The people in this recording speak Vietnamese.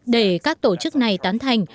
để các tổ chức này tán thành